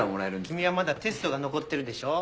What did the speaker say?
君はまだテストが残ってるでしょ。